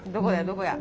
どこや？